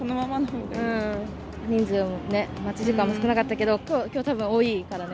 人数も、待ち時間も少なかったけど、きょうはたぶん多いからね。